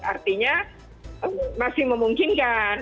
artinya masih memungkinkan